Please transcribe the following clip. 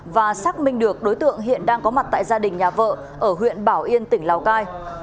và xác minh được đối tượng hiện đang có mặt tại gia đình nhà vợ ở huyện bảo yên tỉnh lào cai